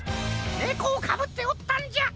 ネコをかぶっておったんじゃ！